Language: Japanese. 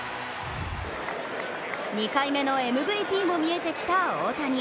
２回目のＭＶＰも見えてきた大谷。